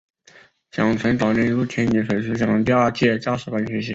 蒋拯早年入天津水师学堂第二届驾驶班学习。